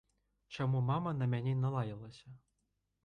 Чаму мама на мяне налаялася?